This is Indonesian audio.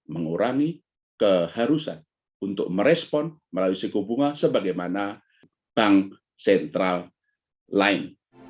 mengurangi keharusan untuk merespon melalui suku bunga sebagaimana bank sentral lain